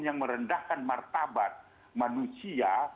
yang merendahkan martabat manusia